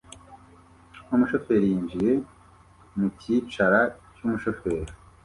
umushoferi yinjiye mukicara cyumushoferi